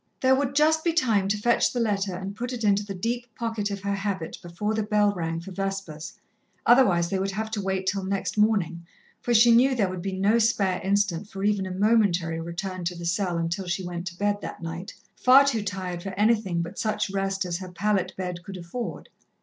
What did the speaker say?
There would just be time to fetch the letter and put it into the deep pocket of her habit before the bell rang for Vespers, otherwise they would have to wait till next morning, for she knew there would be no spare instant for even a momentary return to the cell until she went to bed that night, far too tired for anything but such rest as her pallet bed could afford.